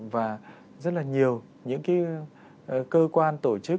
và rất là nhiều những cái cơ quan tổ chức